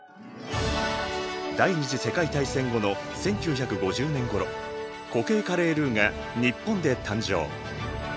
第２次世界大戦後の１９５０年ごろ固形カレールーが日本で誕生。